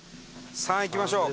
「３」いきましょう。